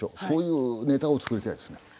そういうネタを作りたいですね。